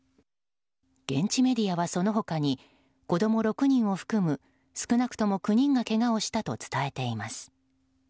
現地メディアはその他に子供６人を含む少なくとも９人がけがをしたと伝えています。